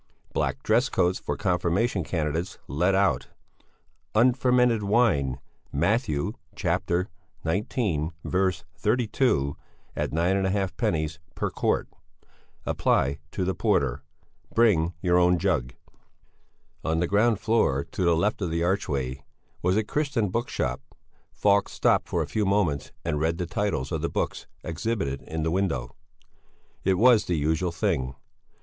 Black dress coats for confirmation candidates let out. Unfermented wine (Mat. xix. 32) at 9½_d._ per quart; apply to the porter. (Bring your own jug.)" On the ground floor, to the left of the archway, was a Christian bookshop. Falk stopped for a few moments and read the titles of the books exhibited in the window. It was the usual thing.